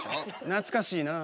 懐かしいなあ。